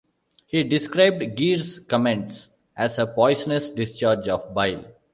He described Greer's comments as "a poisonous discharge of bile".